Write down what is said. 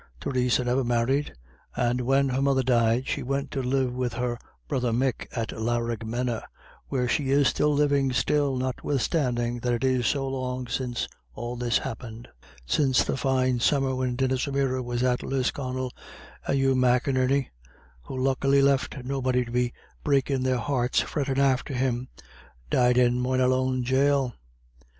Theresa never married, and when her mother died she went to live with her brother Mick at Laraghmena, where she is living still, notwithstanding that it is so long since all this happened since the fine summer when Denis O'Meara was at Lisconnel, and Hugh McInerney, who luckily left nobody to be breaking their hearts fretting after him, died in Moynalone Jail.